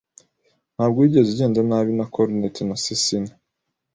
Ntabwo wigeze ugenda nabi na Cornet na Cecina